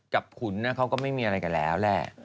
ขุนเขาก็ไม่มีอะไรกันแล้วแหละ